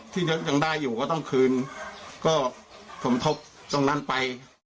ที่ยังได้อยู่ก็ต้องคืนก็สมทบตรงนั้นไป